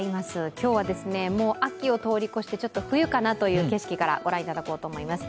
今日は秋を通り越して冬かなという景色からご覧いただこうかなと思います。